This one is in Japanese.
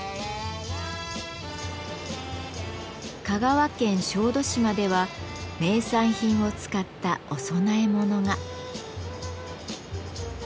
香川県小豆島では名産品を使ったお供え物が。